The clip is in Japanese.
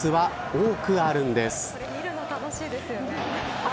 これ見るの楽しいですよね。